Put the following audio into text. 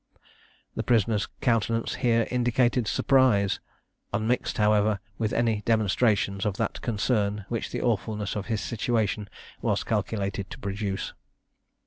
The prisoner's countenance here indicated surprise, unmixed, however, with any demonstrations of that concern which the awfulness of his situation was calculated to produce.